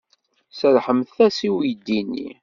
Serrḥemt-as i uydi-nni.